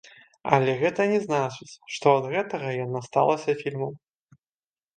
Але гэта не значыць, што ад гэтага яна сталася фільмам.